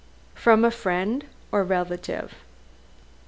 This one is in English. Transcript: "From a friend or relative?"